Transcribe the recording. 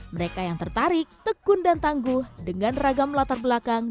mereka yang tertarik tekun dan tangguh dengan ragam latar belakang